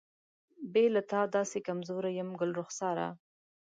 بې له تا داسې کمزوری یم ګلرخساره.